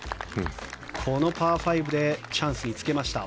このパー５でチャンスにつけました。